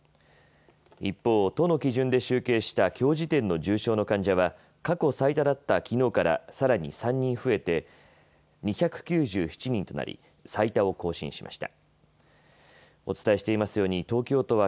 一方、都の基準で集計したきょう時点の重症の患者は過去最多だったきのうからさらに３人増えて２９７人となり最多を更新しました。